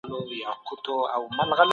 ايا رښتينولي مهمه ده؟